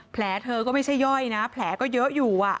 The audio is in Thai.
เธอก็ไม่ใช่ย่อยนะแผลก็เยอะอยู่